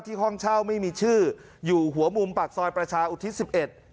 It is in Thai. ห้องเช่าไม่มีชื่ออยู่หัวมุมปากซอยประชาอุทิศสิบเอ็ด